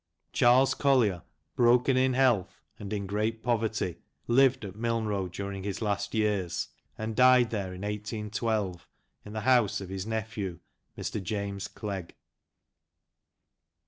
Charles Collier, broken in health, and in great poverty, lived at Milnrow during his last years, and died there in 181 2, in the house of his nephew, Mr. James Clegg.